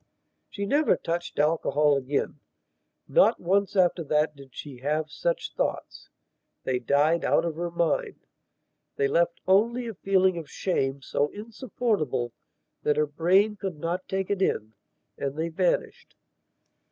She never touched alcohol again. Not once after that did she have such thoughts. They died out of her mind; they left only a feeling of shame so insupportable that her brain could not take it in and they vanished.